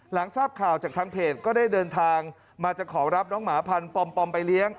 หลังทราบข่าวจากทางเพจก็ได้เดินทางมาจะขอรับน้องหมาพันธ์ปอมไปเลี้ยง